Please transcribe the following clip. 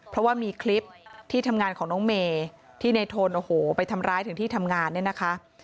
เพราะว่ามีคลิปที่ทำงานของน้องเมย์ที่ในโทนโอ้โหไปทำร้ายถึงที่ทำงานเนี่ยนะคะ